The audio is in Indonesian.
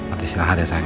adi silahkan ya sayang